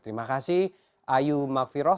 terima kasih ayu makviroh